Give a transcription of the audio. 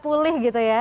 pulih gitu ya